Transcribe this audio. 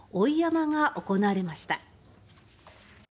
笠が行われました。